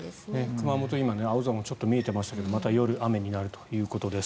熊本は今青空も見えていましたがまた夜雨になるということです。